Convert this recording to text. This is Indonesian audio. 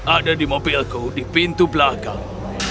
ada di mobilku di pintu belakang